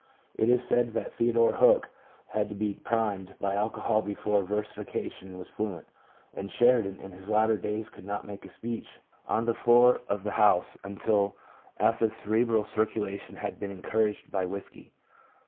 It is said that Theodore Hook had to be "primed" by alcohol before versification was fluent, and Sheridan in his later days could not make a speech on the floor of the House until after the cerebral circulation had been encouraged by whisky.